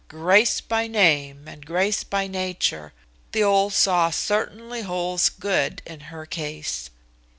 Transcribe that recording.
'Grace by name and grace by nature.' The old saw certainly holds good in her case."